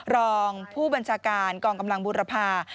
รองผู้บัญชาการกองกำลังบูรพา